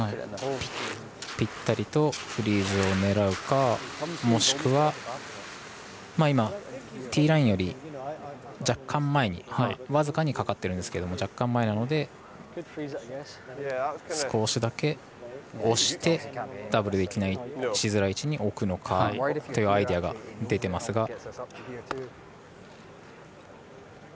ぴったりとフリーズを狙うかもしくは、ティーラインより若干前に僅かにかかっているんですけども若干前なので少しだけ押してダブルしづらい位置に置くのかというアイデアが出ていますが。